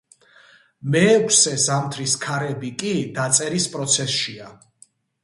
მეექვსე, „ზამთრის ქარები“ კი, დაწერის პროცესშია.